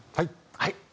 はい。